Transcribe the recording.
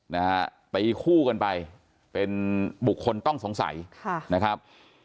นะฮะตีคู่กันไปเป็นบุคคลต้องสงสัยค่ะนะครับ